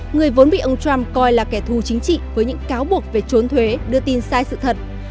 người vốn bị ông trump coi là kẻ thù chính trị với những cáo buộc về trốn thuế đưa tin sai sự thật